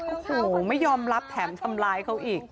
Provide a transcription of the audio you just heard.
โอ้โหไม่ยอมรับแถมทำร้ายเขาอีก